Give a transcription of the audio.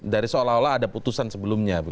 dari seolah olah ada putusan sebelumnya